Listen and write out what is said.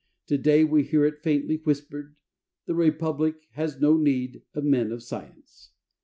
Today, we hear it faintly whispered, "The Republic has no need of men of science."